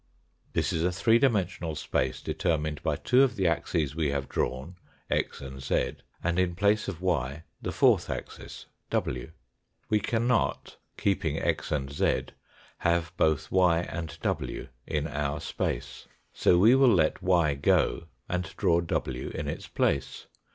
This is a three dimensional space determined by two of the axes we have drawn, x and z, and in place of y the fourth axis, w. We cannot, keeping x and z, have both y and w in our space ; B 212 THE FOURTH DIMENSION so we will let y go and draw w in its place.